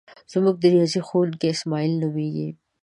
زمونږ د ریاضی ښوونکی اسماعیل نومیږي.